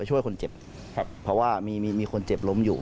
ช่วยคนเจ็บครับเพราะว่ามีมีคนเจ็บล้มอยู่